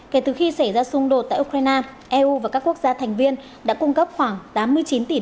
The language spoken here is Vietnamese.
kể từ khi xảy ra xung đột tại ukraine eu và các quốc gia thành viên đã cung cấp khoảng tám mươi chín tỷ usd